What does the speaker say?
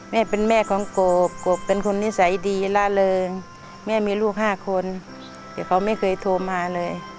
แม่เป็นแม่ของกบกบเป็นคนนิสัยดีล่าเริงแม่มีลูก๕คนแต่เขาไม่เคยโทรมาเลย